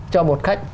cho một khách